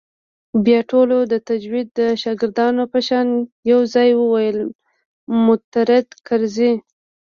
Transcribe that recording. بيا ټولو د تجويد د شاگردانو په شان يو ځايي وويل مرتد کرزى.